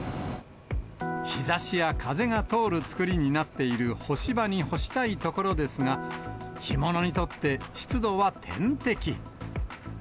日ざしや風が通る作りになっている干し場に干したいところですが、干物にとって、湿度は天敵。